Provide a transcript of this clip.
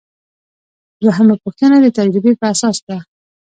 دوهمه پوهه د تجربې په اساس ده.